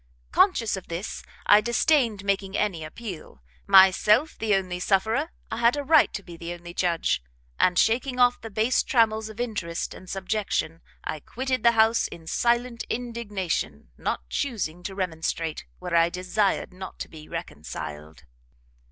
Conscious of this, I disdained making any appeal; myself the only sufferer, I had a right to be the only judge, and, shaking off the base trammels of interest and subjection, I quitted the house in silent indignation, not chusing to remonstrate, where I desired not to be reconciled."